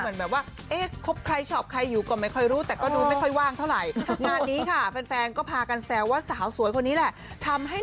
แล้วต้องบอกเลยว่าสาวสวยคนนี้นะคะ